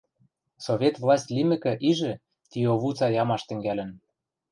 Совет власть лимӹкӹ ижӹ, ти овуца ямаш тӹнгӓлӹн.